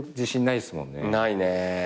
ないね。